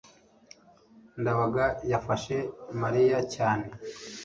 ndabaga yafashe mariya cyane